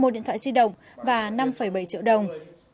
một điện thoại di động và năm bảy triệu đồng